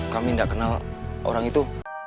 kami tidak kenal orang itu